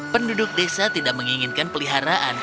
penduduk desa tidak menginginkan peliharaan